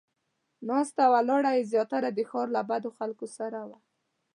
ناسته ولاړه یې زیاتره د ښار له بدو خلکو سره وه.